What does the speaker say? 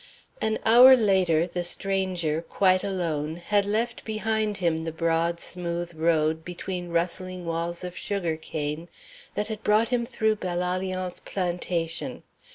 An hour later the stranger, quite alone, had left behind him the broad smooth road, between rustling walls of sugar cane, that had brought him through Belle Alliance plantation.